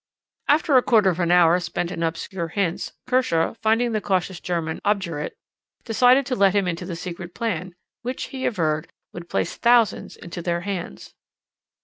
"After a quarter of an hour spent in obscure hints, Kershaw, finding the cautious German obdurate, decided to let him into the secret plan, which, he averred, would place thousands into their hands."